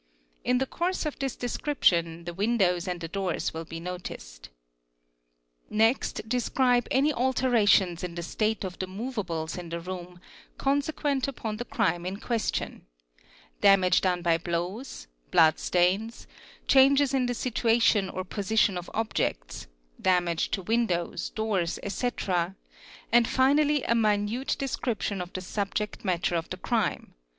I the course of this description the windows and the doors will be noticed Next describe any alterations in the state of the moveables in the rool consequent upon the crime in question, damage done by blows, blood stains, changes in the situation or position of objects, damage to windows, DESCRIPTION OF THE SCENE OF OFFENCE '183 doors, etc; and finally a minute description of the subject matter of the crime (¢.